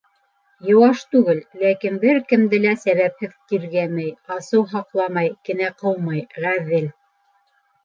Йыуаш түгел, ләкин бер кемде лә сәбәпһеҙ тиргәмәй, асыу һаҡламай, кенә ҡыумай, ғәҙел.